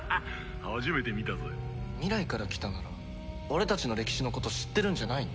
未来から来たなら俺たちの歴史のこと知ってるんじゃないの？